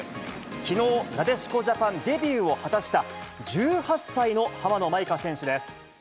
きのう、なでしこジャパンデビューを果たした、１８歳の浜野まいか選手です。